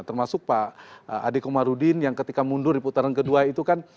termasuk pak adekomarudin yang ketika mundur di putaran kedua itu kan